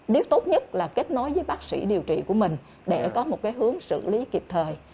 nếu tốt nhất là kết nối với bác sĩ điều trị của mình để có một hướng xử lý kịp thời